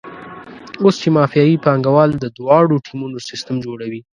اوس چې مافیایي پانګوال د دواړو ټیمونو سیستم جوړوي.